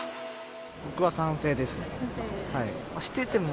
僕は賛成ですね。